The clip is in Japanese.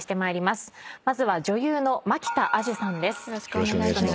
まずは女優の蒔田彩珠さんです。